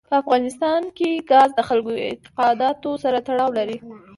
په افغانستان کې ګاز د خلکو د اعتقاداتو سره تړاو لري.